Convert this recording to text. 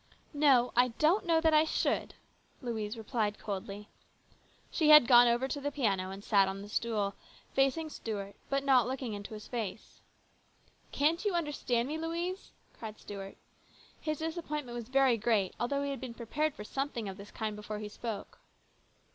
" No ; I don't know that I should," Louise replied coldly. She had gone over to the piano and sat down on the stool, facing Stuart, but not looking into his face. " Can't you understand me, Louise ?" cried Stuart. His disappointment was very great, although he had been prepared for something of this kind before he spoke.